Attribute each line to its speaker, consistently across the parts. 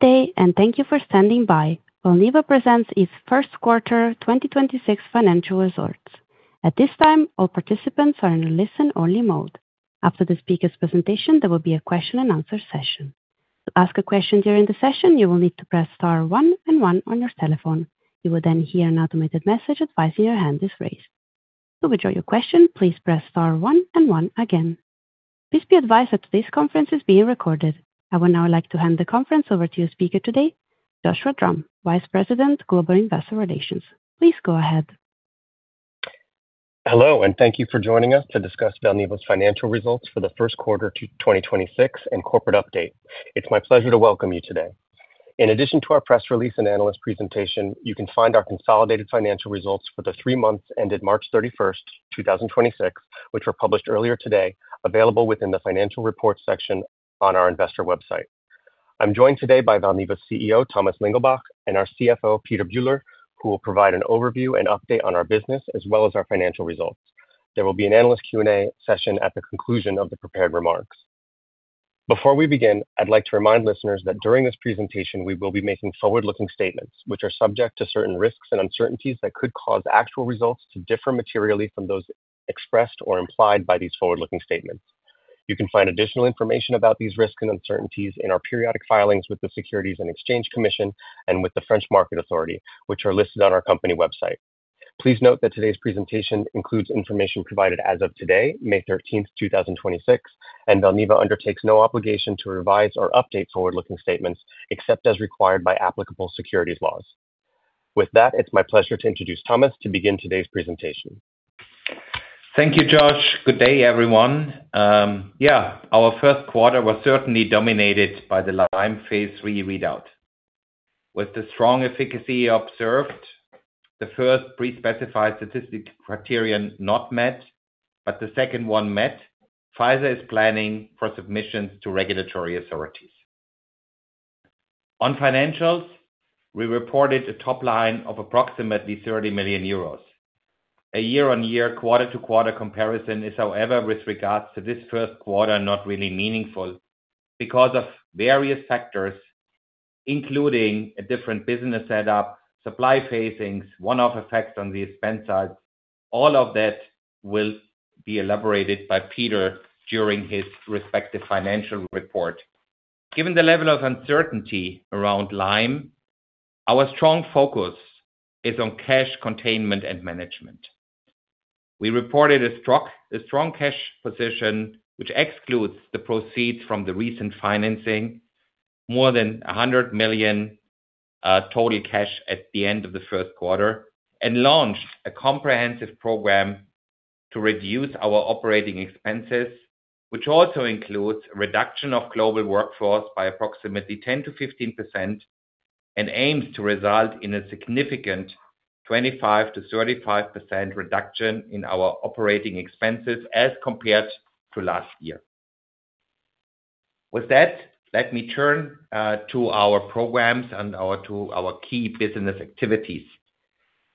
Speaker 1: Good day, thank you for standing by. Valneva presents its first quarter 2026 financial results. At this time, all participants are in a listen-only mode. After the speaker's presentation, there will be a question and answer session. To ask a question during the session, you will need to press star one and one on your telephone. You will then hear an automated message advising your hand is raised. To withdraw your question, please press star one and one again. Please be advised that today's conference is being recorded. I would now like to hand the conference over to your speaker today, Joshua Drumm, Vice President, Global Investor Relations. Please go ahead.
Speaker 2: Hello, and thank you for joining us to discuss Valneva's financial results for the first quarter 2026 and corporate update. It's my pleasure to welcome you today. In addition to our press release and analyst presentation, you can find our consolidated financial results for the three months ended March 31st, 2026, which were published earlier today, available within the financial reports section on our investor website. I'm joined today by Valneva's CEO, Thomas Lingelbach, and our CFO, Peter Bühler, who will provide an overview and update on our business as well as our financial results. There will be an analyst Q&A session at the conclusion of the prepared remarks. Before we begin, I'd like to remind listeners that during this presentation, we will be making forward-looking statements, which are subject to certain risks and uncertainties that could cause actual results to differ materially from those expressed or implied by these forward-looking statements. You can find additional information about these risks and uncertainties in our periodic filings with the Securities and Exchange Commission and with the French Market Authority, which are listed on our company website. Please note that today's presentation includes information provided as of today, May 13th, 2026, and Valneva undertakes no obligation to revise or update forward-looking statements except as required by applicable securities laws. With that, it's my pleasure to introduce Thomas to begin today's presentation.
Speaker 3: Thank you, Josh. Good day, everyone. Our first quarter was certainly dominated by the Lyme phase III readout. With the strong efficacy observed, the first pre-specified statistic criterion not met, but the second one met, Pfizer is planning for submissions to regulatory authorities. On financials, we reported a top line of approximately 30 million euros. A year-on-year, quarter-to-quarter comparison is, however, with regards to this first quarter, not really meaningful because of various factors, including a different business setup, supply pacings, one-off effects on the expense side. All of that will be elaborated by Peter during his respective financial report. Given the level of uncertainty around Lyme, our strong focus is on cash containment and management. We reported a strong cash position, which excludes the proceeds from the recent financing, more than 100 million total cash at the end of the first quarter, and launched a comprehensive program to reduce our operating expenses, which also includes reduction of global workforce by approximately 10%-15% and aims to result in a significant 25%-35% reduction in our operating expenses as compared to last year. With that, let me turn to our programs and to our key business activities.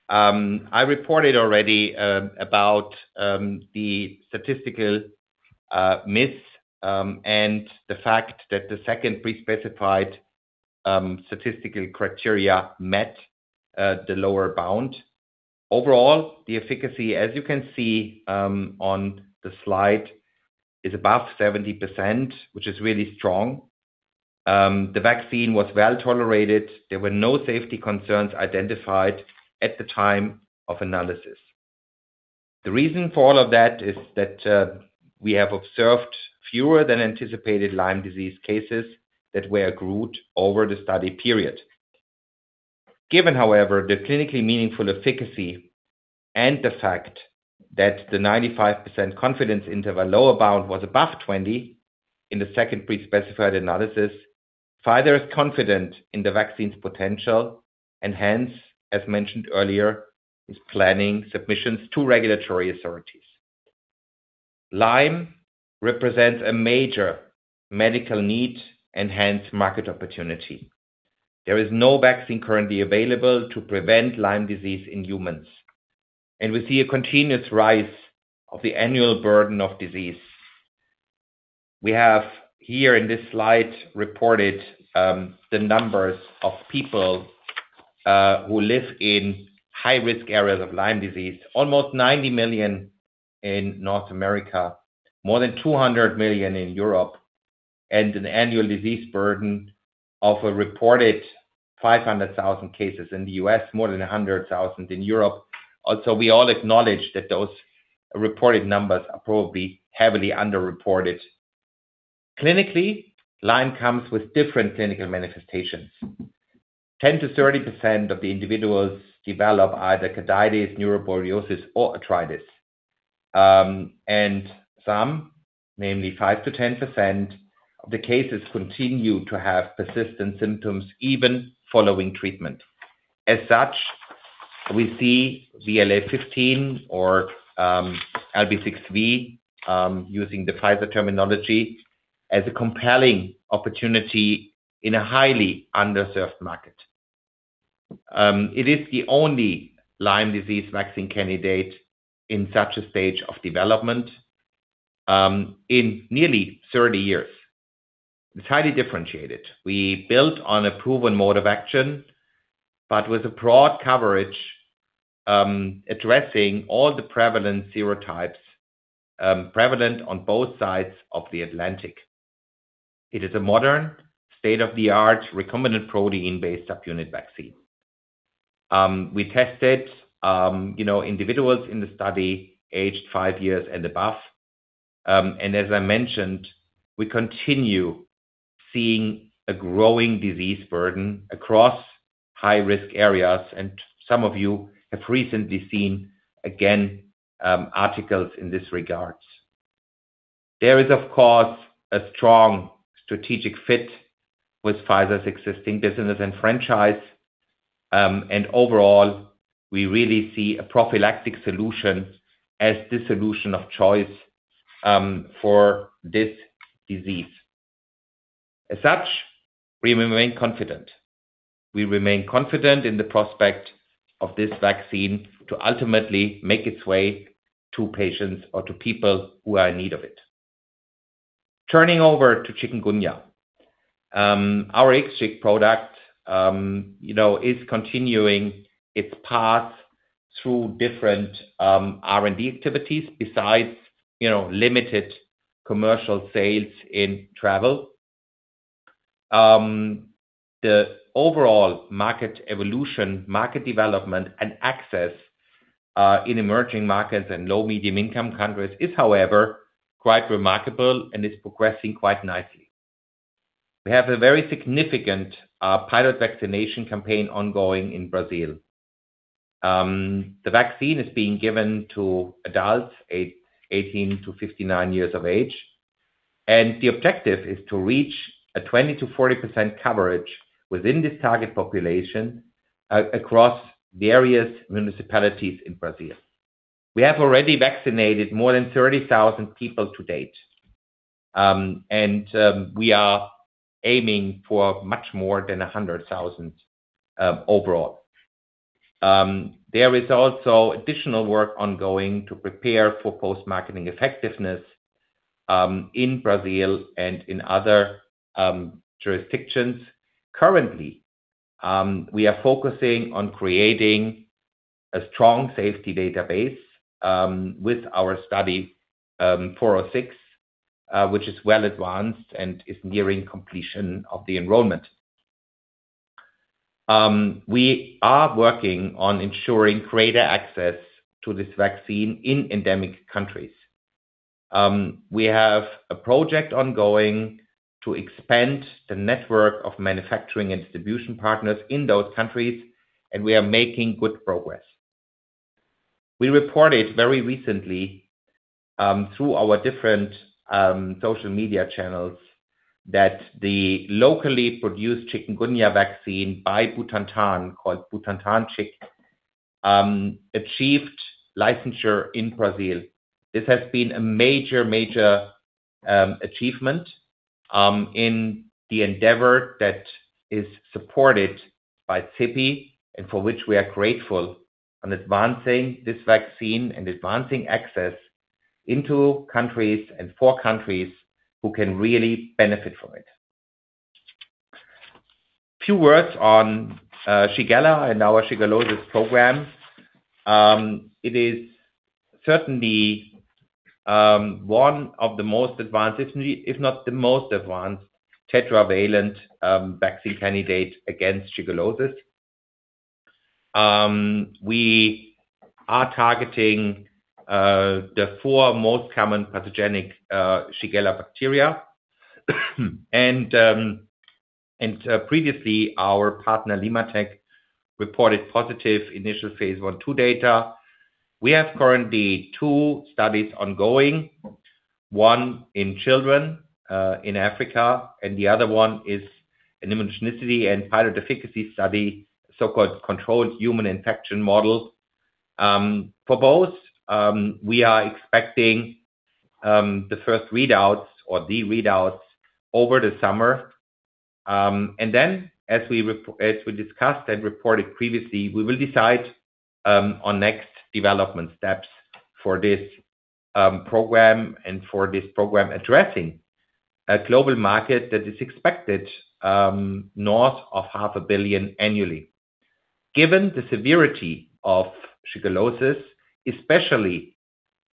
Speaker 3: I reported already about the statistical miss and the fact that the second pre-specified statistical criteria met the lower bound. Overall, the efficacy, as you can see, on the slide, is above 70%, which is really strong. The vaccine was well-tolerated. There were no safety concerns identified at the time of analysis. The reason for all of that is that we have observed fewer than anticipated Lyme disease cases that were grouped over the study period. Given, however, the clinically meaningful efficacy and the fact that the 95% confidence interval lower bound was above 20 in the second pre-specified analysis, Pfizer is confident in the vaccine's potential and hence, as mentioned earlier, is planning submissions to regulatory authorities. Lyme represents a major medical need and hence market opportunity. There is no vaccine currently available to prevent Lyme disease in humans, and we see a continuous rise of the annual burden of disease. We have here in this slide reported the numbers of people who live in high-risk areas of Lyme disease, almost 90 million in North America, more than 200 million in Europe, and an annual disease burden of a reported 500,000 cases in the U.S., more than 100,000 in Europe. We all acknowledge that those reported numbers are probably heavily underreported. Clinically, Lyme comes with different clinical manifestations. 10%-30% of the individuals develop either carditis, neuroborreliosis, or arthritis. Some, namely 5%-10% of the cases continue to have persistent symptoms even following treatment. As such, we see VLA15 or LB6V, using the Pfizer terminology, as a compelling opportunity in a highly underserved market. It is the only Lyme disease vaccine candidate in such a stage of development in nearly 30 years. It's highly differentiated. We built on a proven mode of action, but with a broad coverage, addressing all the prevalent serotypes, prevalent on both sides of the Atlantic. It is a modern state-of-the-art recombinant protein-based subunit vaccine. We tested, you know, individuals in the study aged 5 years and above. As I mentioned, we continue seeing a growing disease burden across high-risk areas, and some of you have recently seen, again, articles in this regards. There is, of course, a strong strategic fit with Pfizer's existing business and franchise. Overall, we really see a prophylactic solution as the solution of choice for this disease. As such, we remain confident. We remain confident in the prospect of this vaccine to ultimately make its way to patients or to people who are in need of it. Turning over to chikungunya. Our IXCHIQ product, you know, is continuing its path through different R&D activities besides, you know, limited commercial sales in travel. The overall market evolution, market development, and access in emerging markets and low-medium income countries is, however, quite remarkable and is progressing quite nicely. We have a very significant pilot vaccination campaign ongoing in Brazil. The vaccine is being given to adults age 18-59 years of age, and the objective is to reach a 20%-40% coverage within this target population across various municipalities in Brazil. We have already vaccinated more than 30,000 people to date. We are aiming for much more than 100,000 overall. There is also additional work ongoing to prepare for post-marketing effectiveness in Brazil and in other jurisdictions. Currently, we are focusing on creating a strong safety database with our study 406, which is well advanced and is nearing completion of the enrollment. We are working on ensuring greater access to this vaccine in endemic countries. We have a project ongoing to expand the network of manufacturing and distribution partners in those countries, and we are making good progress. We reported very recently through our different social media channels that the locally produced chikungunya vaccine by Butantan, called Butantan-CHIK, achieved licensure in Brazil. This has been a major achievement in the endeavor that is supported by CEPI and for which we are grateful on advancing this vaccine and advancing access into countries and for countries who can really benefit from it. Few words on Shigella and our shigellosis program. It is certainly one of the most advanced, if not the most advanced, tetravalent vaccine candidate against shigellosis. We are targeting the four most common pathogenic Shigella bacteria. Previously, our partner LimmaTech reported positive initial phase I/II data. We have currently two studies ongoing, one in children in Africa, and the other one is an immunogenicity and pilot efficacy study, so-called controlled human infection model. For both, we are expecting the first readouts or the readouts over the summer. As we discussed and reported previously, we will decide on next development steps for this program and for this program addressing a global market that is expected north of half a billion annually. Given the severity of shigellosis, especially,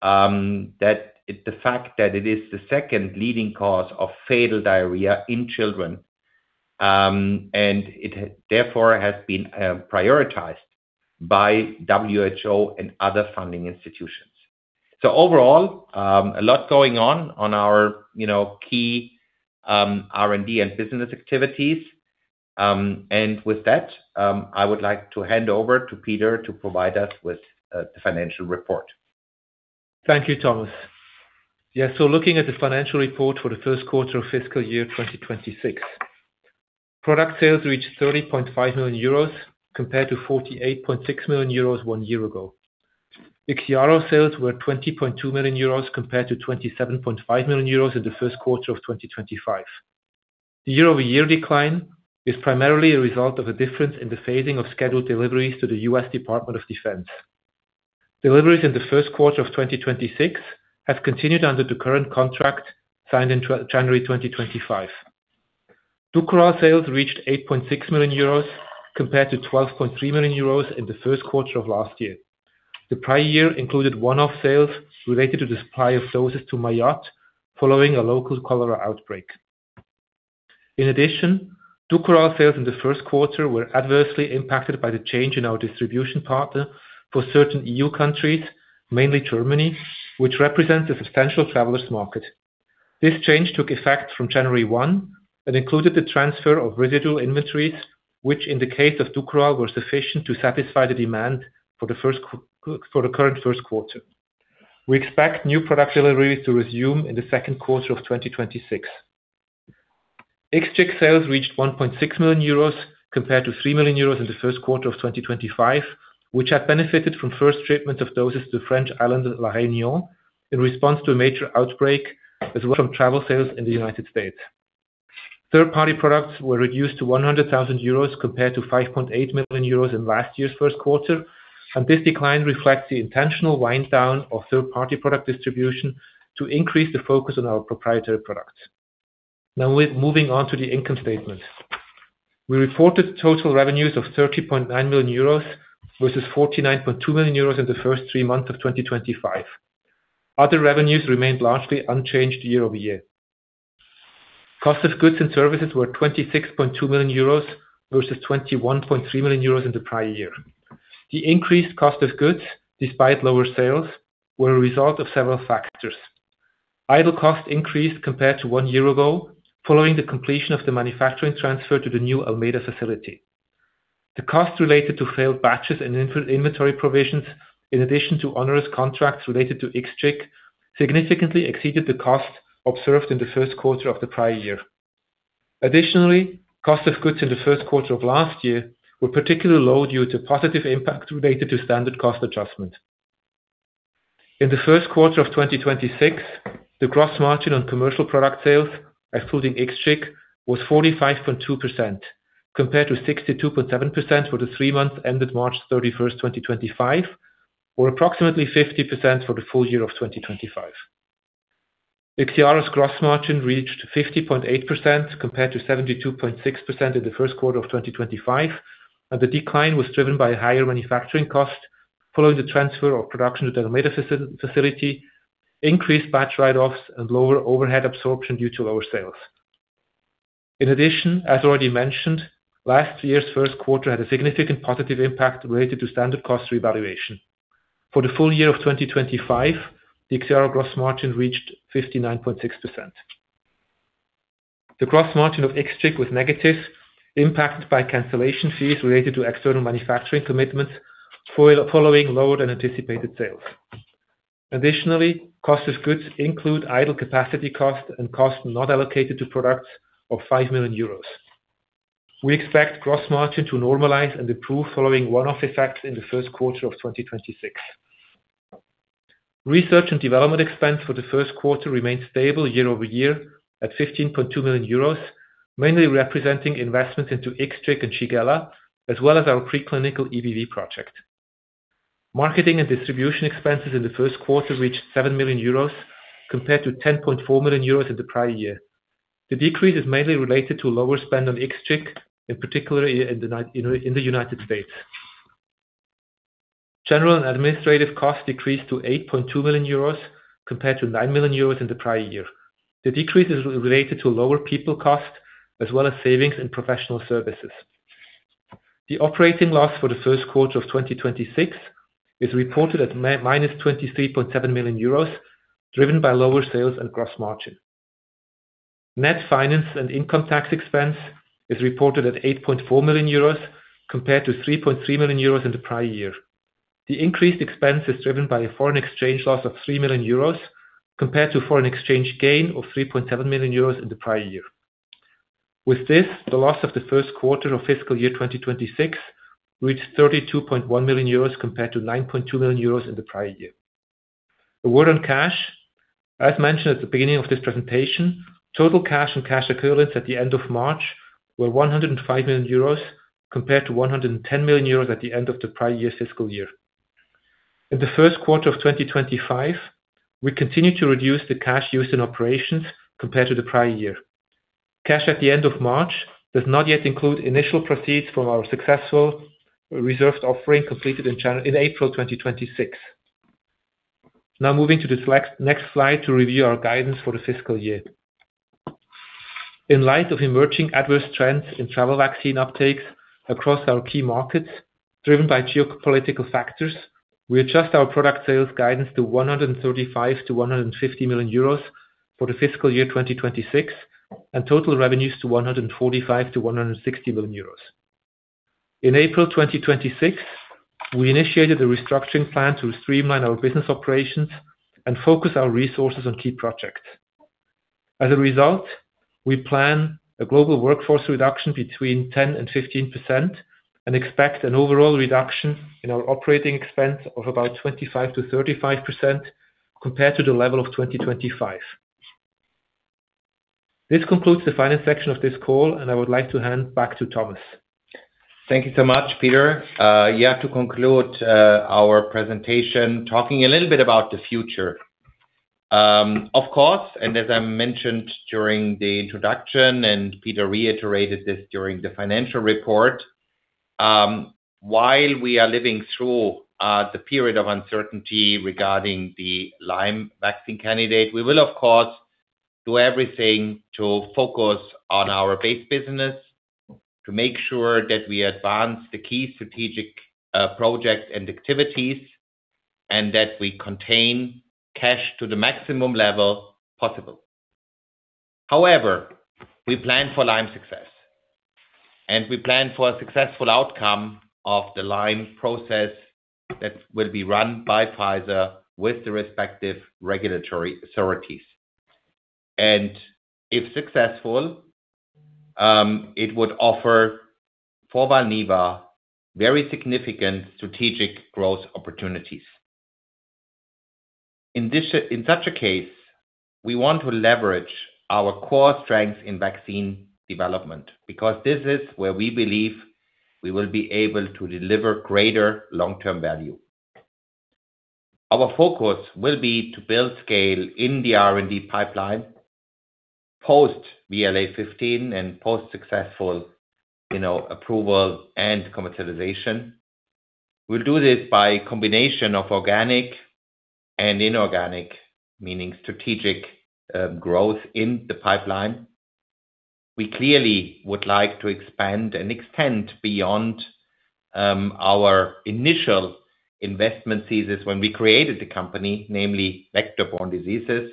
Speaker 3: that the fact that it is the second leading cause of fatal diarrhea in children, and it therefore has been prioritized by WHO and other funding institutions. Overall, a lot going on on our, you know, key R&D and business activities. With that, I would like to hand over to Peter to provide us with the financial report.
Speaker 4: Thank you, Thomas. Looking at the financial report for the first quarter of fiscal year 2026. Product sales reached 30.5 million euros compared to 48.6 million euros one year ago. IXIARO sales were 20.2 million euros compared to 27.5 million euros in the first quarter of 2025. The year-over-year decline is primarily a result of a difference in the phasing of scheduled deliveries to the U.S. Department of Defense. Deliveries in the first quarter of 2026 have continued under the current contract signed in January 2025. DUKORAL sales reached 8.6 million euros compared to 12.3 million euros in the first quarter of last year. The prior year included one-off sales related to the supply of doses to Mayotte following a local cholera outbreak. In addition, DUKORAL sales in the first quarter were adversely impacted by the change in our distribution partner for certain EU countries, mainly Germany, which represents a substantial travelers market. This change took effect from January 1 and included the transfer of residual inventories, which in the case of DUKORAL, were sufficient to satisfy the demand for the current first quarter. We expect new product deliveries to resume in the second quarter of 2026. IXCHIQ sales reached 1.6 million euros compared to 3 million euros in the first quarter of 2025, which had benefited from first treatment of doses to French island La Réunion in response to a major outbreak, as well from travel sales in the U.S. Third-party products were reduced to 100,000 euros compared to 5.8 million euros in last year's first quarter. This decline reflects the intentional wind down of third-party product distribution to increase the focus on our proprietary products. Now with moving on to the income statement. We reported total revenues of 30.9 million euros versus 49.2 million euros in the first three months of 2025. Other revenues remained largely unchanged year-over-year. cost of goods and services were 26.2 million euros versus 21.3 million euros in the prior year. The increased cost of goods, despite lower sales, were a result of several factors. Idle costs increased compared to one year ago following the completion of the manufacturing transfer to the new Almeida facility. The cost related to failed batches and inventory provisions, in addition to onerous contracts related to IXCHIQ, significantly exceeded the cost observed in the first quarter of the prior year. Additionally, cost of goods in the first quarter of last year were particularly low due to positive impact related to standard cost adjustment. In the first quarter of 2026, the gross margin on commercial product sales, excluding IXCHIQ, was 45.2% compared to 62.7% for the three months ended March 31st, 2025, or approximately 50% for the full year of 2025. IXIARO's gross margin reached 50.8% compared to 72.6% in the first quarter of 2025. The decline was driven by higher manufacturing costs following the transfer of production to the Almeida facility, increased batch write-offs, and lower overhead absorption due to lower sales. In addition, as already mentioned, last year's first quarter had a significant positive impact related to standard cost revaluation. For the full year of 2025, the IXIARO gross margin reached 59.6%. The gross margin of IXCHIQ was negative, impacted by cancellation fees related to external manufacturing commitments following lower than anticipated sales. Additionally, cost of goods include idle capacity cost and cost not allocated to products of 5 million euros. We expect gross margin to normalize and improve following one-off effects in the first quarter of 2026. Research and development expense for the first quarter remained stable year-over-year at 15.2 million euros, mainly representing investments into IXCHIQ and Shigella, as well as our preclinical EBV project. Marketing and distribution expenses in the first quarter reached 7 million euros compared to 10.4 million euros in the prior year. The decrease is mainly related to lower spend on IXCHIQ, in particular in the U.S. General and administrative costs decreased to 8.2 million euros compared to 9 million euros in the prior year. The decrease is related to lower people cost as well as savings in professional services. The operating loss for the first quarter of 2026 is reported at minus 23.7 million euros, driven by lower sales and gross margin. Net finance and income tax expense is reported at 8.4 million euros compared to 3.3 million euros in the prior year. The increased expense is driven by a foreign exchange loss of 3 million euros compared to foreign exchange gain of 3.7 million euros in the prior year. With this, the loss of the first quarter of fiscal year 2026 reached 32.1 million euros compared to 9.2 million euros in the prior year. A word on cash. As mentioned at the beginning of this presentation, total cash and cash equivalents at the end of March were 105 million euros compared to 110 million euros at the end of the prior year's fiscal year. In the first quarter of 2025, we continued to reduce the cash used in operations compared to the prior year. Cash at the end of March does not yet include initial proceeds from our successful reserved offering completed in April 2026. Moving to the next slide to review our guidance for the fiscal year. In light of emerging adverse trends in travel vaccine uptakes across our key markets driven by geopolitical factors, we adjust our product sales guidance to 135 million-150 million euros for the fiscal year 2026, and total revenues to 145 million-160 million euros. In April 2026, we initiated a restructuring plan to streamline our business operations and focus our resources on key projects. As a result, we plan a global workforce reduction between 10%-15%, and expect an overall reduction in our operating expense of about 25%-35% compared to the level of 2025. This concludes the finance section of this call. I would like to hand back to Thomas.
Speaker 3: Thank you so much, Peter. Yeah, to conclude our presentation, talking a little bit about the future. Of course, and as I mentioned during the introduction, and Peter reiterated this during the financial report, while we are living through the period of uncertainty regarding the Lyme vaccine candidate, we will of course do everything to focus on our base business to make sure that we advance the key strategic projects and activities, and that we contain cash to the maximum level possible. However, we plan for Lyme success, and we plan for a successful outcome of the Lyme process that will be run by Pfizer with the respective regulatory authorities. If successful, it would offer Valneva very significant strategic growth opportunities. In such a case, we want to leverage our core strength in vaccine development, because this is where we believe we will be able to deliver greater long-term value. Our focus will be to build scale in the R&D pipeline, post VLA15 and post successful, you know, approval and commercialization. We'll do this by combination of organic and inorganic, meaning strategic growth in the pipeline. We clearly would like to expand and extend beyond our initial investment thesis when we created the company, namely vector-borne diseases.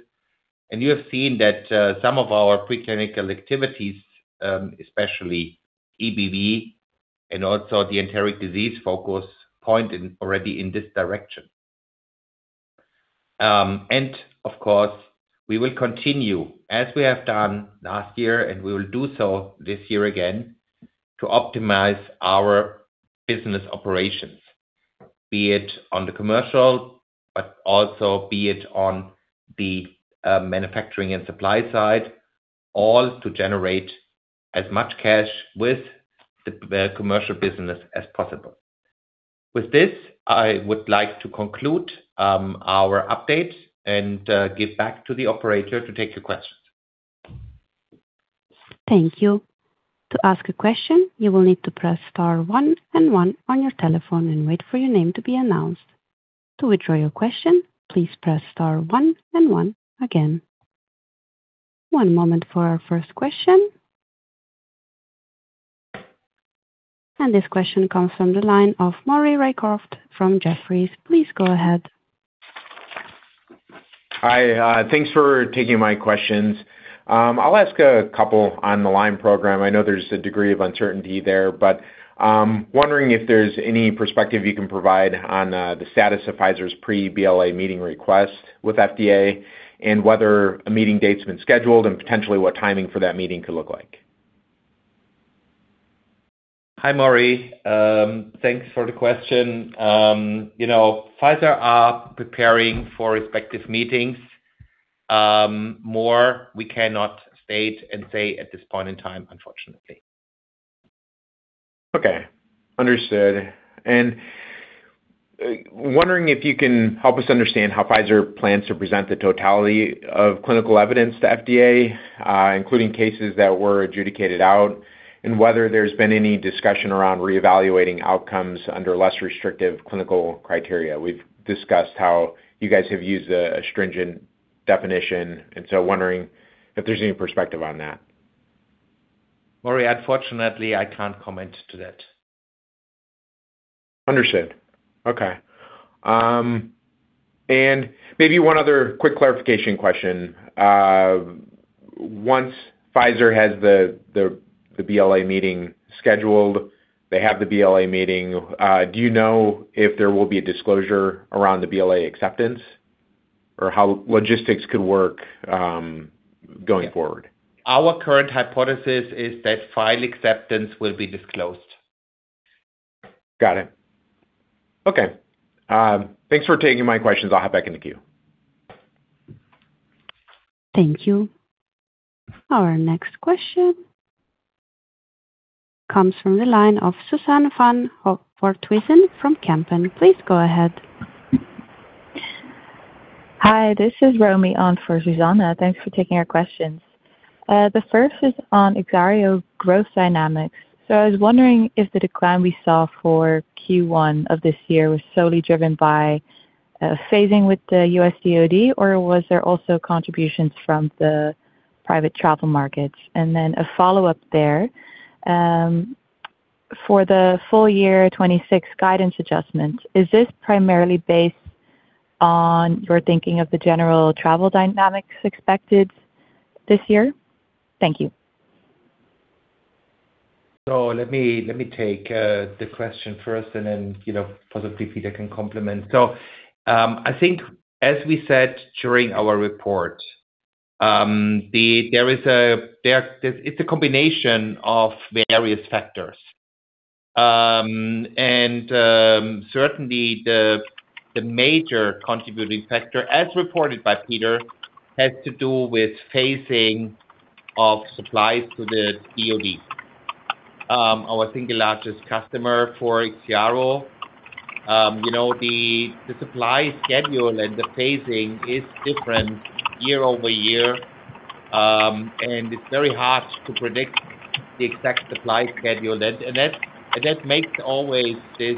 Speaker 3: You have seen that some of our preclinical activities, especially EBV and also the enteric disease focus, point in, already in this direction. Of course, we will continue, as we have done last year, and we will do so this year again, to optimize our business operations, be it on the commercial, but also be it on the manufacturing and supply side, all to generate as much cash with the commercial business as possible. With this, I would like to conclude our update and give back to the operator to take your questions.
Speaker 1: This question comes from the line of Maury Raycroft from Jefferies. Please go ahead.
Speaker 5: Hi. Thanks for taking my questions. I'll ask a couple on the Lyme program. I know there's a degree of uncertainty there, but wondering if there's any perspective you can provide on the status of Pfizer's pre-BLA meeting request with FDA and whether a meeting date's been scheduled and potentially what timing for that meeting could look like.
Speaker 3: Hi, Maury. Thanks for the question. You know, Pfizer are preparing for respective meetings. More we cannot state and say at this point in time, unfortunately.
Speaker 5: Okay. Understood. Wondering if you can help us understand how Pfizer plans to present the totality of clinical evidence to FDA, including cases that were adjudicated out, and whether there's been any discussion around reevaluating outcomes under less restrictive clinical criteria. We've discussed how you guys have used a stringent definition, and so wondering if there's any perspective on that.
Speaker 3: Maury, unfortunately, I can't comment to that.
Speaker 5: Understood. Okay. Maybe one other quick clarification question. Once Pfizer has the BLA meeting scheduled, they have the BLA meeting, do you know if there will be a disclosure around the BLA acceptance or how logistics could work going forward?
Speaker 3: Our current hypothesis is that file acceptance will be disclosed.
Speaker 5: Got it. Okay. Thanks for taking my questions. I’ll hop back in the queue.
Speaker 1: Thank you. Our next question comes from the line of Suzanne van Voorthuizen from Kempen. Please go ahead.
Speaker 6: Hi, this is Romy on for Suzanne. Thanks for taking our questions. The first is on IXIARO growth dynamics. I was wondering if the decline we saw for Q1 of this year was solely driven by phasing with the U.S. DOD, or was there also contributions from the private travel markets? A follow-up there, for the full year 2026 guidance adjustment, is this primarily based on your thinking of the general travel dynamics expected this year? Thank you.
Speaker 3: Let me take the question first and then, you know, possibly Peter can complement. I think as we said during our report, it's a combination of various factors. Certainly the major contributing factor, as reported by Peter, has to do with phasing of supplies to the DOD, our single largest customer for IXIARO. You know, the supply schedule and the phasing is different year-over-year, and it's very hard to predict the exact supply schedule. That makes always this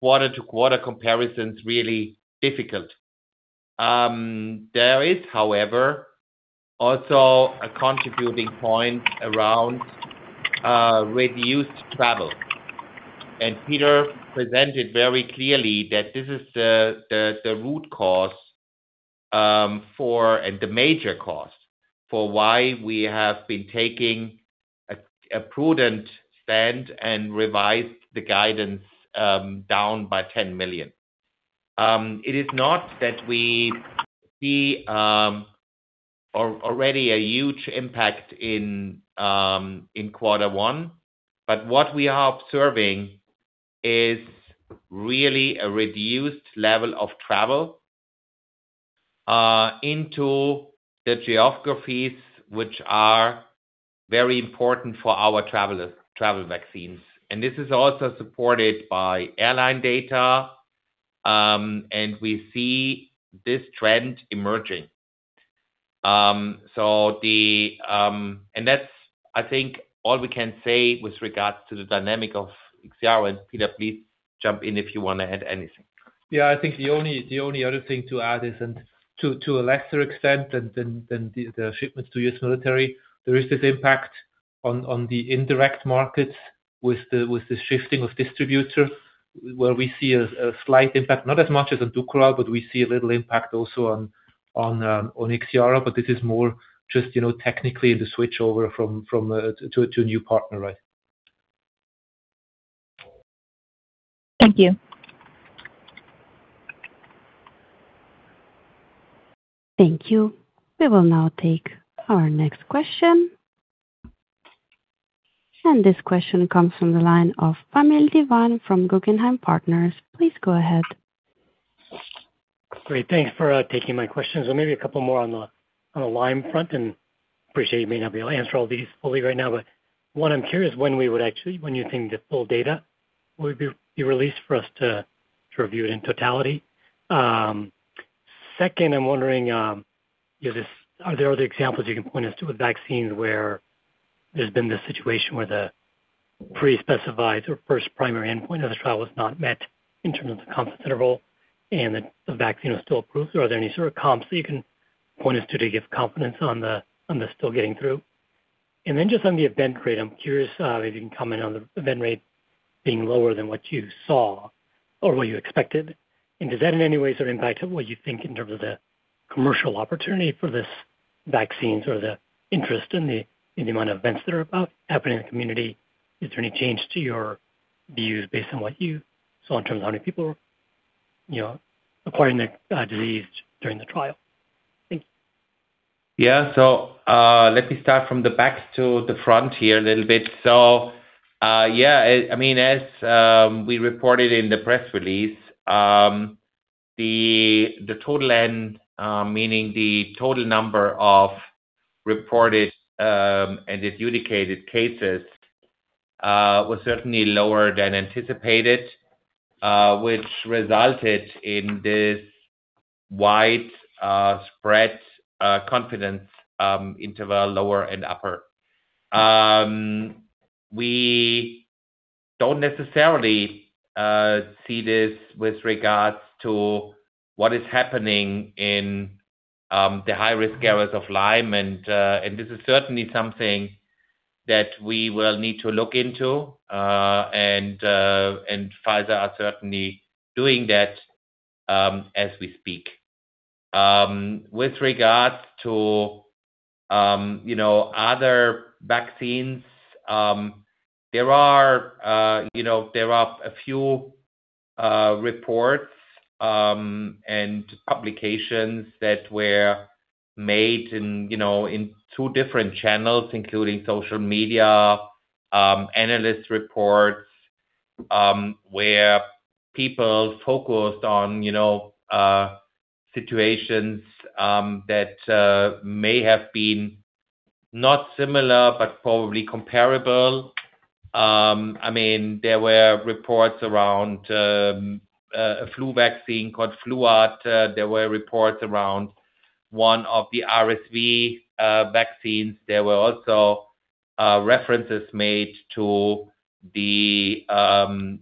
Speaker 3: quarter-to-quarter comparisons really difficult. There is, however, also a contributing point around reduced travel. Peter presented very clearly that this is the root cause for and the major cause for why we have been taking a prudent stand and revised the guidance down by 10 million. It is not that we see already a huge impact in quarter one, but what we are observing is really a reduced level of travel into the geographies which are very important for our travel vaccines. This is also supported by airline data, and we see this trend emerging. So the, that's, I think, all we can say with regards to the dynamic of IXIARO. Peter, please jump in if you wanna add anything.
Speaker 4: Yeah. I think the only other thing to add is, and to a lesser extent than the shipments to U.S. military, there is this impact on the indirect markets with the shifting of distributors, where we see a slight impact, not as much as in DUKORAL, but we see a little impact also on IXIARO. This is more just, you know, technically the switchover from to a new partner, right?
Speaker 6: Thank you.
Speaker 1: Thank you. We will now take our next question. This question comes from the line of Vamil Divan from Guggenheim Partners. Please go ahead.
Speaker 7: Great. Thanks for taking my questions. Maybe a couple more on the Lyme front, and appreciate you may not be able to answer all these fully right now. One, I'm curious when you think the full data would be released for us to review it in totality. Second, I'm wondering, are there other examples you can point us to with vaccines where there's been this situation where the pre-specified or first primary endpoint of the trial was not met in terms of the confidence interval, and the vaccine was still approved? Are there any sort of comps that you can point us to to give confidence on this still getting through? Just on the event rate, I'm curious if you can comment on the event rate being lower than what you saw or what you expected. Does that in any way sort of impact what you think in terms of the commercial opportunity for this vaccine or the interest in the amount of events that are about happening in the community? Is there any change to your views based on what you saw in terms of how many people, you know, acquiring the disease during the trial? Thank you.
Speaker 3: Let me start from the back to the front here a little bit. I mean, as we reported in the press release, the total N, meaning the total number of reported, and adjudicated cases, was certainly lower than anticipated, which resulted in this wide, spread, confident, interval, lower and upper. We don't necessarily, see this with regards to what is happening in, the high-risk areas of Lyme and Pfizer are certainly doing that, as we speak. With regards to, you know, other vaccines, there are, you know, there are a few reports and publications that were made in, you know, in two different channels, including social media, analyst reports, where people focused on, you know, situations that may have been not similar but probably comparable. I mean, there were reports around a flu vaccine called Fluad. There were reports around one of the RSV vaccines. There were also references made to the,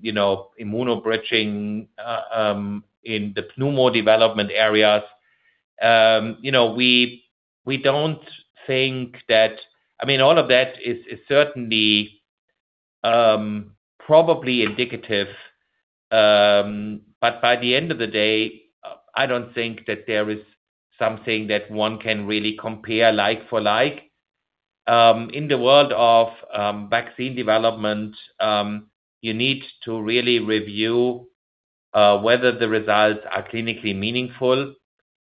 Speaker 3: you know, immunobridging in the pneumo development areas. You know, we don't think that I mean, all of that is certainly Probably indicative. By the end of the day, I don't think that there is something that one can really compare like for like. In the world of vaccine development, you need to really review whether the results are clinically meaningful,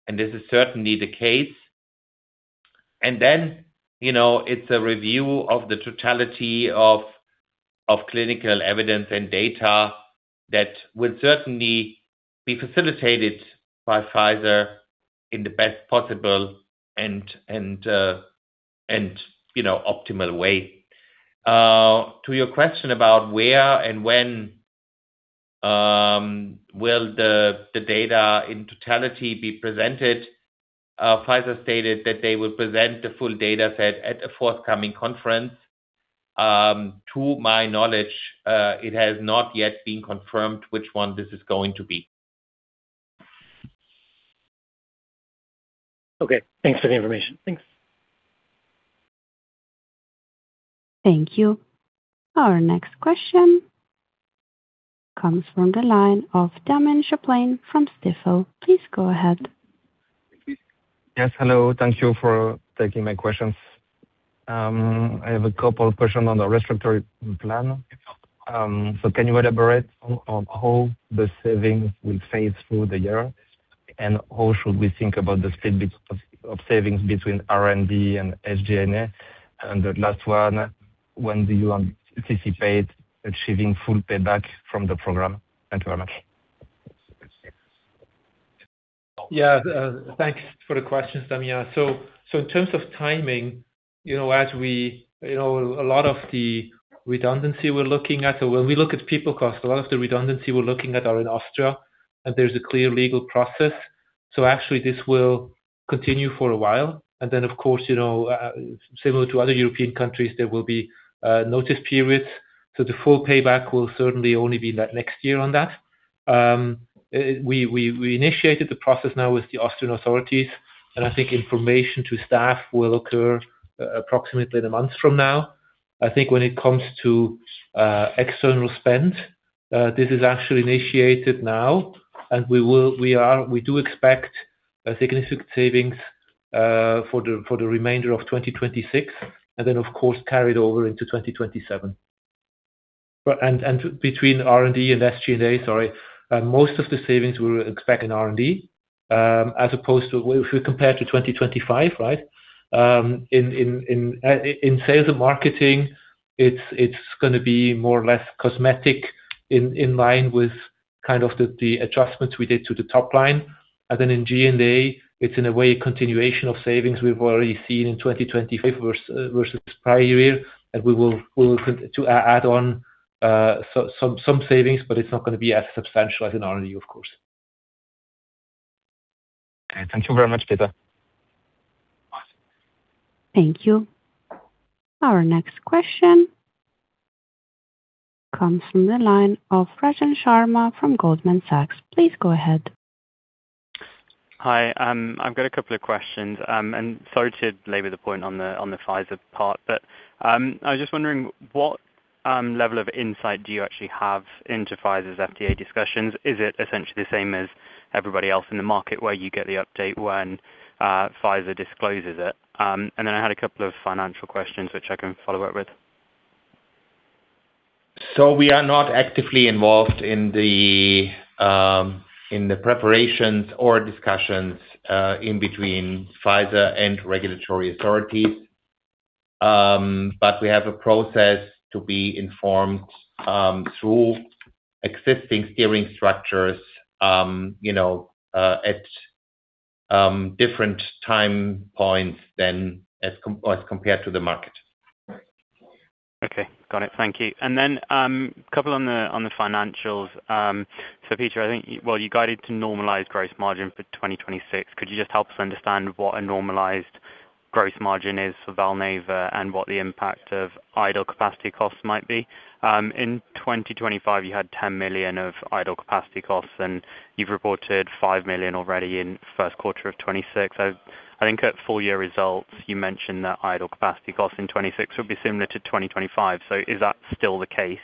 Speaker 3: and this is certainly the case. Then, you know, it's a review of the totality of clinical evidence and data that will certainly be facilitated by Pfizer in the best possible and you know, optimal way. To your question about where and when will the data in totality be presented, Pfizer stated that they will present the full dataset at a forthcoming conference. To my knowledge, it has not yet been confirmed which one this is going to be.
Speaker 7: Okay. Thanks for the information. Thanks.
Speaker 1: Thank you. Our next question comes from the line of Damien Choplain from Stifel. Please go ahead.
Speaker 8: Yes, hello. Thank you for taking my questions. I have a couple of questions on the restructuring plan. Can you elaborate on how the savings will phase through the year, and how should we think about the split of savings between R&D and SG&A? The last one, when do you anticipate achieving full payback from the program? Thank you very much.
Speaker 4: Thanks for the questions, Damien. In terms of timing, a lot of the redundancy we're looking at or when we look at people cost, a lot of the redundancy we're looking at are in Austria, there's a clear legal process. Actually this will continue for a while. Similar to other European countries, there will be notice periods. The full payback will certainly only be that next year on that. We initiated the process now with the Austrian authorities, I think information to staff will occur approximately in 1 month from now. I think when it comes to external spend, this is actually initiated now, and we will, we do expect a significant savings for the, for the remainder of 2026 and then of course carried over into 2027. Between R&D and SG&A, sorry, most of the savings we'll expect in R&D, as opposed to if we compare to 2025, right? In, in sales and marketing, it's gonna be more or less cosmetic in line with kind of the adjustments we did to the top line. In G&A, it's in a way a continuation of savings we've already seen in 2025 versus prior year. we will add on some savings, but it's not gonna be as substantial as in R&D of course.
Speaker 8: Okay. Thank you very much, Peter.
Speaker 1: Thank you. Our next question comes from the line of Rajan Sharma from Goldman Sachs. Please go ahead.
Speaker 9: Hi. I've got a couple of questions. Sorry to labor the point on the, on the Pfizer part, but I was just wondering what level of insight do you actually have into Pfizer's FDA discussions? Is it essentially the same as everybody else in the market where you get the update when Pfizer discloses it? I had a couple of financial questions which I can follow up with.
Speaker 3: We are not actively involved in the preparations or discussions in between Pfizer and regulatory authorities. But we have a process to be informed through existing steering structures, you know, at different time points than as compared to the market.
Speaker 9: Okay. Got it. Thank you. Couple on the financials. Peter, I think, well, you guided to normalized gross margin for 2026. Could you just help us understand what a normalized gross margin is for Valneva and what the impact of idle capacity costs might be? In 2025, you had 10 million of idle capacity costs and you've reported 5 million already in first quarter of 2026. I think at full year results you mentioned that idle capacity costs in 2026 will be similar to 2025. Is that still the case?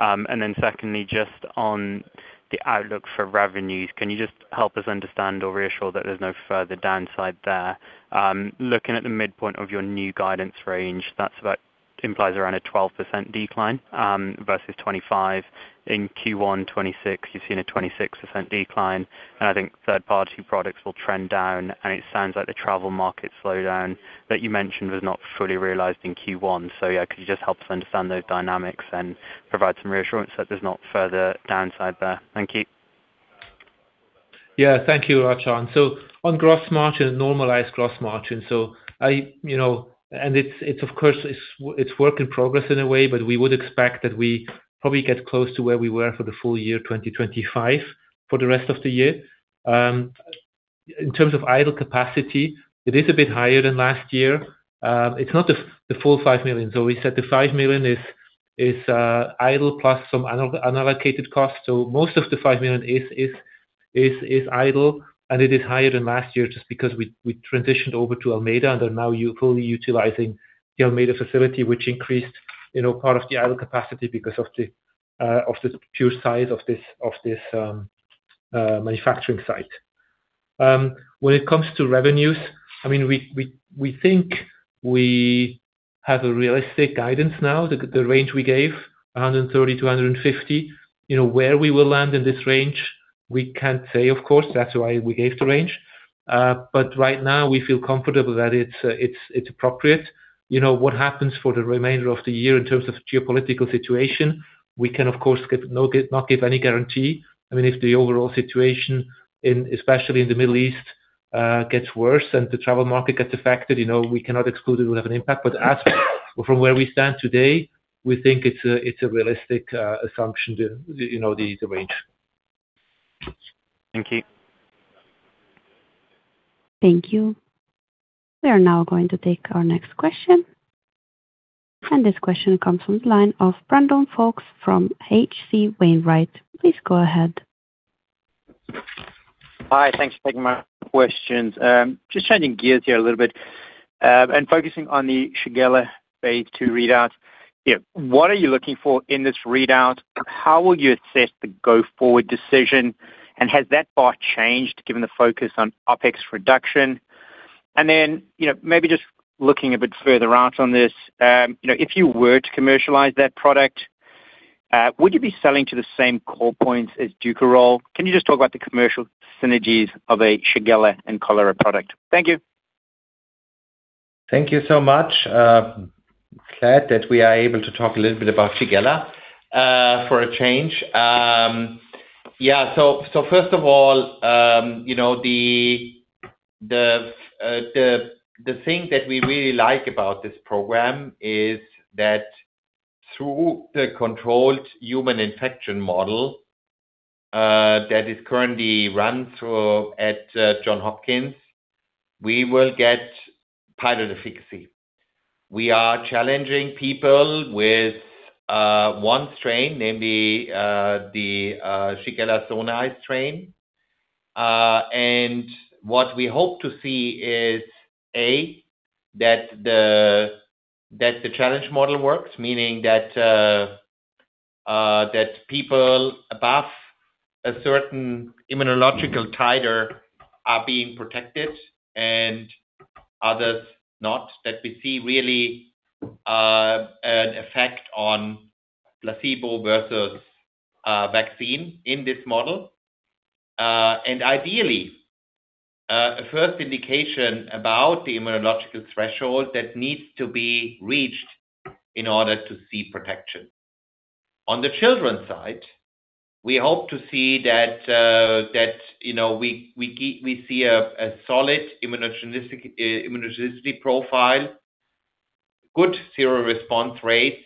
Speaker 9: Secondly, just on the outlook for revenues, can you just help us understand or reassure that there's no further downside there? Looking at the midpoint of your new guidance range, that's about implies around a 12% decline versus 2025. In Q1 2026, you've seen a 26% decline, I think third party products will trend down. It sounds like the travel market slowdown that you mentioned was not fully realized in Q1. Yeah, could you just help us understand those dynamics and provide some reassurance that there's not further downside there? Thank you.
Speaker 4: Yeah. Thank you, Rajan. On gross margin, normalized gross margin. You know, it's of course work in progress in a way, but we would expect that we probably get close to where we were for the full year 2025 for the rest of the year. In terms of idle capacity, it is a bit higher than last year. It's not the full 5 million. We said the 5 million is idle plus some unallocated costs. Most of the 5 million is It is idle and it is higher than last year just because we transitioned over to Almeida and are now fully utilizing the Almeida facility, which increased, you know, part of the idle capacity because of the pure size of this manufacturing site. When it comes to revenues, I mean, we think we have a realistic guidance now. The range we gave, 130-150. You know, where we will land in this range, we can't say, of course, that's why we gave the range. Right now we feel comfortable that it's appropriate. You know, what happens for the remainder of the year in terms of geopolitical situation, we can of course not give any guarantee. I mean, if the overall situation in, especially in the Middle East, gets worse and the travel market gets affected, you know, we cannot exclude it will have an impact. As for from where we stand today, we think it's a realistic assumption, you know, the range.
Speaker 9: Thank you.
Speaker 1: Thank you. We are now going to take our next question. This question comes from the line of Brandon Folkes from H.C. Wainwright. Please go ahead.
Speaker 10: Hi, thanks for taking my questions. Just changing gears here a little bit, and focusing on the Shigella phase II readouts. You know, what are you looking for in this readout? How will you assess the go-forward decision, and has that bar changed given the focus on OpEx reduction? You know, maybe just looking a bit further out on this, you know, if you were to commercialize that product, would you be selling to the same core points as DUKORAL? Can you just talk about the commercial synergies of a Shigella and cholera product? Thank you.
Speaker 3: Thank you so much. Glad that we are able to talk a little bit about Shigella for a change. First of all, you know, the thing that we really like about this program is that through the controlled human infection model that is currently run through at Johns Hopkins, we will get title efficacy. We are challenging people with one strain, namely the Shigella sonnei strain. What we hope to see is, A, that the challenge model works, meaning that people above a certain immunological titer are being protected and others not. That we see really an effect on placebo versus vaccine in this model. Ideally, a first indication about the immunological threshold that needs to be reached in order to see protection. On the children side, we hope to see that, you know, we see a solid immunogenic immunogenicity profile, good zero response rates,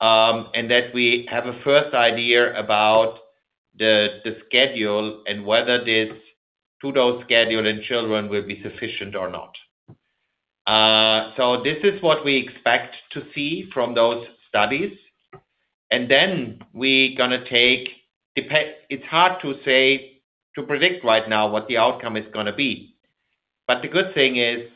Speaker 3: and that we have a first idea about the schedule and whether this two-dose schedule in children will be sufficient or not. This is what we expect to see from those studies. It is hard to say, to predict right now what the outcome is going to be. The good thing is,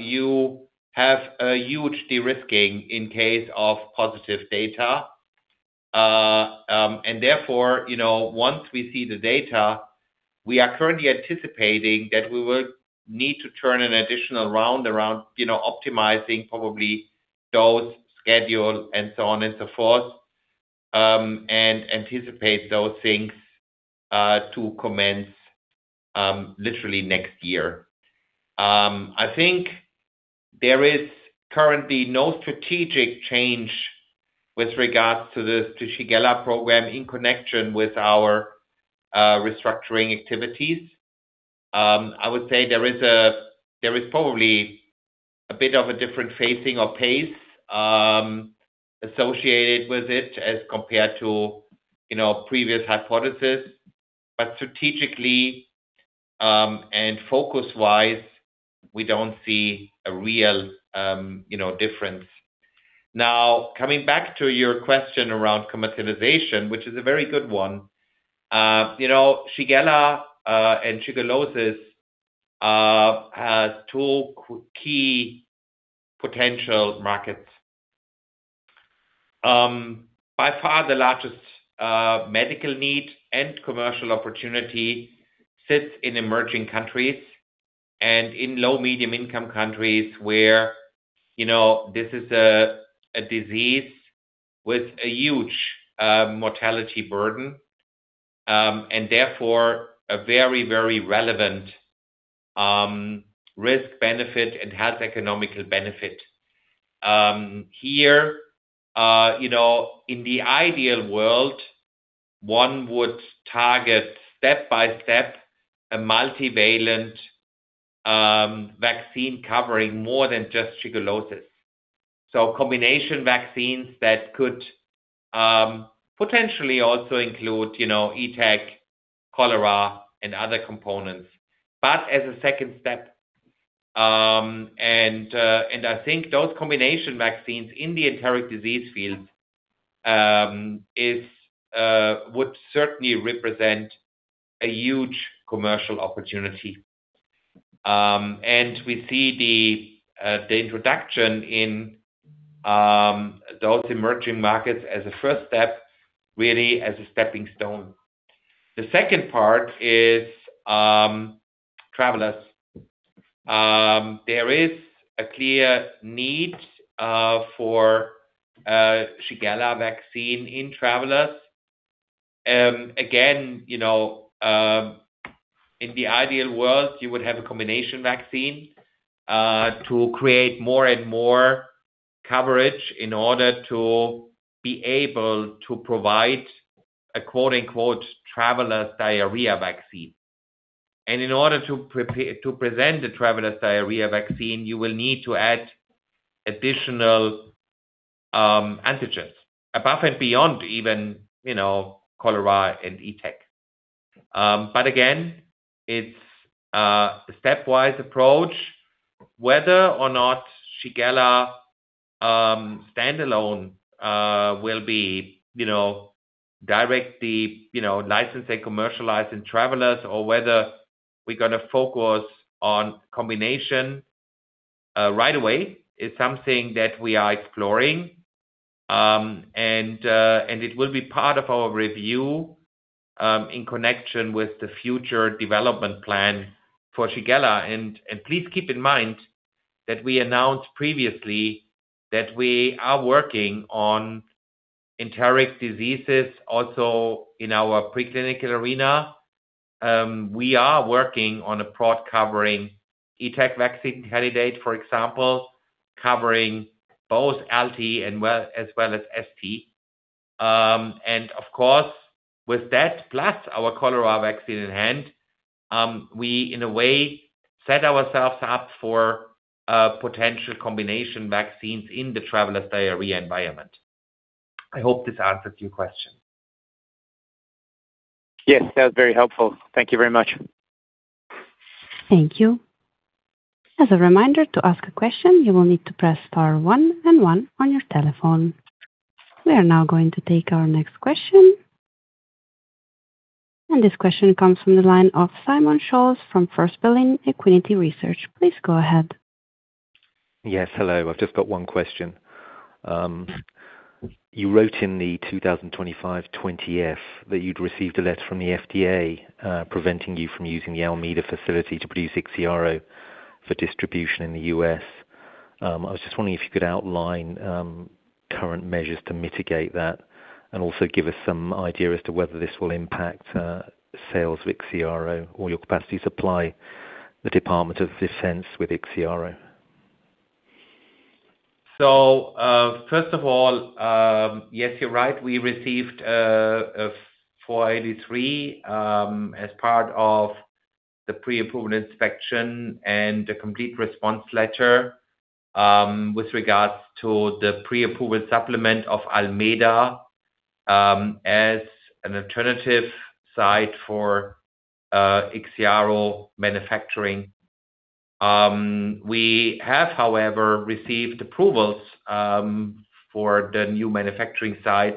Speaker 3: you have a huge de-risking in case of positive data. Therefore, you know, once we see the data, we are currently anticipating that we will need to turn an additional round around, you know, optimizing probably dose, schedule and so on and so forth, and anticipate those things to commence literally next year. I think there is currently no strategic change with regards to the Shigella program in connection with our restructuring activities. I would say there is probably a bit of a different phasing or pace associated with it as compared to, you know, previous hypothesis. Strategically, and focus-wise, we don't see a real, you know, difference. Now, coming back to your question around commercialization, which is a very good one. You know, Shigella, and shigellosis, has 2 key potential markets. By far the largest medical need and commercial opportunity sits in emerging countries and in low, medium income countries where, you know, this is a disease with a huge mortality burden, and therefore a very, very relevant risk-benefit and health economical benefit. Here, you know, in the ideal world, one would target step-by-step a multivalent vaccine covering more than just shigellosis. Combination vaccines that could potentially also include, you know, ETEC, cholera, and other components. But as a second step. I think those combination vaccines in the enteric disease field is would certainly represent a huge commercial opportunity. We see the introduction in those emerging markets as a first step, really as a stepping stone. The second part is travelers. There is a clear need for a Shigella vaccine in travelers. Again, you know, in the ideal world, you would have a combination vaccine to create more and more coverage in order to be able to provide a quote-unquote traveler's diarrhea vaccine. In order to present a traveler's diarrhea vaccine, you will need to add additional antigens above and beyond even, you know, cholera and ETEC. Again, it's a stepwise approach. Whether or not Shigella, standalone, will be, you know, directly, you know, licensed and commercialized in travelers or whether we're gonna focus on combination right away is something that we are exploring. It will be part of our review in connection with the future development plan for Shigella. Please keep in mind that we announced previously that we are working on enteric diseases also in our preclinical arena. We are working on a broad covering ETEC vaccine candidate, for example, covering both LT as well as ST. Of course, with that, plus our cholera vaccine in hand, we in a way set ourselves up for potential combination vaccines in the traveler's diarrhea environment. I hope this answers your question.
Speaker 10: Yes, that was very helpful. Thank you very much.
Speaker 1: Thank you. As a reminder, to ask a question, you will need to press star one and one on your telephone. We are now going to take our next question. This question comes from the line of Simon Scholz from First Berlin Equity Research. Please go ahead.
Speaker 11: Yes. Hello. I've just got one question. You wrote in the 2025 20-F that you'd received a letter from the FDA, preventing you from using the Almeida facility to produce IXIARO for distribution in the U.S. I was just wondering if you could outline current measures to mitigate that and also give us some idea as to whether this will impact sales of IXIARO or your capacity to supply the Department of Defense with IXIARO.
Speaker 3: First of all, yes, you're right. We received a Form 483 as part of the pre-approval inspection and a complete response letter with regards to the pre-approval supplement of Almeida as an alternative site for IXIARO manufacturing. We have, however, received approvals for the new manufacturing site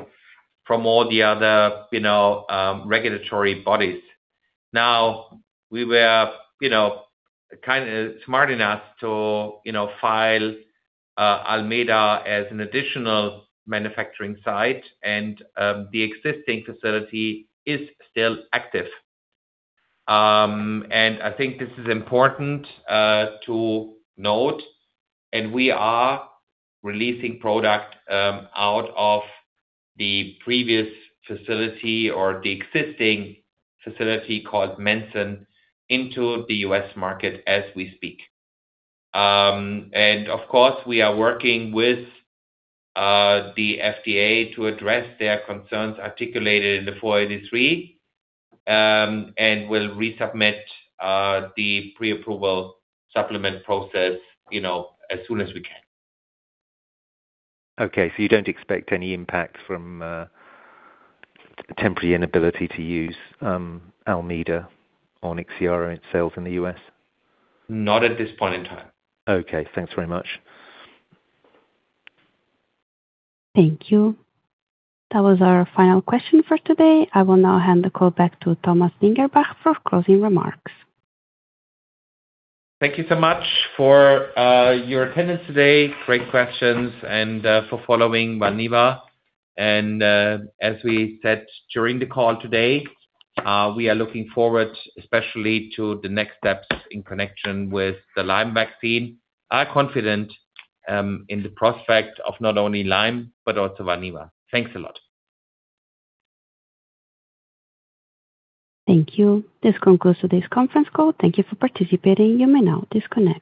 Speaker 3: from all the other, you know, regulatory bodies. We were, you know, kinda smart enough to, you know, file Almeida as an additional manufacturing site, and the existing facility is still active. I think this is important to note, and we are releasing product out of the previous facility or the existing facility called Solna into the U.S. market as we speak. Of course, we are working with the FDA to address their concerns articulated in the Form 483, and we'll resubmit the pre-approval supplement process, you know, as soon as we can.
Speaker 11: Okay. You don't expect any impact from temporary inability to use Almeida on IXIARO itself in the U.S.?
Speaker 3: Not at this point in time.
Speaker 11: Okay. Thanks very much.
Speaker 1: Thank you. That was our final question for today. I will now hand the call back to Thomas Lingelbach for closing remarks.
Speaker 3: Thank you so much for your attendance today, great questions, and for following Valneva. As we said during the call today, we are looking forward, especially to the next steps in connection with the Lyme vaccine. I'm confident in the prospect of not only Lyme, but also Valneva. Thanks a lot.
Speaker 1: Thank you. This concludes today's conference call. Thank you for participating. You may now disconnect.